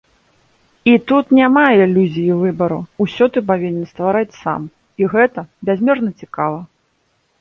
І тут няма ілюзіі выбару, усё ты павінен ствараць сам, і гэта бязмерна цікава.